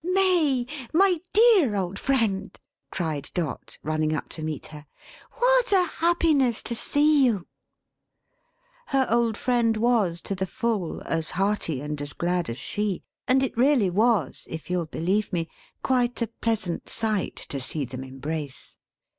"May! My dear old friend!" cried Dot, running up to meet her. "What a happiness to see you!" Her old friend was, to the full, as hearty and as glad as she; and it really was, if you'll believe me, quite a pleasant sight to see them embrace.